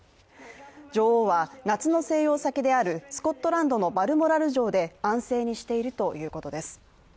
女王は、夏の静養先であるスコットランドのバルモラル城で安静にしているということです。